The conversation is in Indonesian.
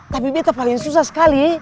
tapi beto paling susah sekali